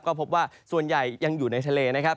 ก็พบว่าส่วนใหญ่ยังอยู่ในทะเลนะครับ